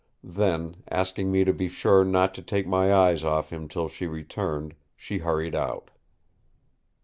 Then, asking me to be sure not to take my eyes off him till she returned, she hurried out.